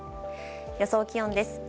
予想気温です。